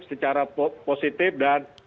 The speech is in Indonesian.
secara positif dan